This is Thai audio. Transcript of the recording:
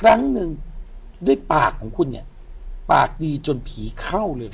ครั้งหนึ่งด้วยปากของคุณเนี่ยปากดีจนผีเข้าเลยเหรอ